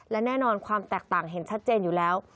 และแน่นอนความแตกต่างเห็นชัดเจนอยู่แล้ว